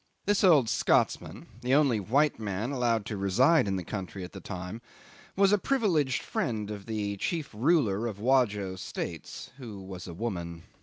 This old Scotsman, the only white man allowed to reside in the country at the time, was a privileged friend of the chief ruler of Wajo States, who was a woman.